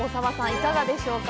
いかがでしょうか？